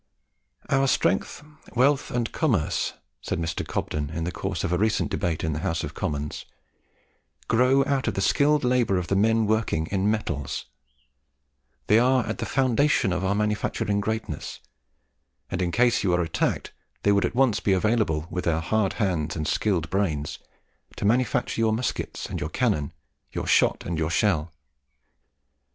"Our strength, wealth, and commerce," said Mr. Cobden in the course of a recent debate in the House of Commons, "grow out of the skilled labour of the men working in metals. They are at the foundation of our manufacturing greatness; and in case you were attacked, they would at once be available, with their hard hands and skilled brains, to manufacture your muskets and your cannon, your shot and your shell.